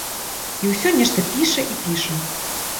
І ўсё нешта піша і піша.